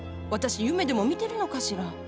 私夢でも見てるのかしら？